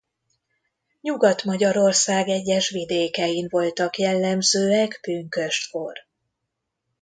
Nyugat-Magyarország egyes vidékein voltak jellemzőek pünkösdkor.